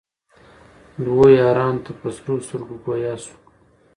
دوو یارانو ته په سرو سترګو ګویا سو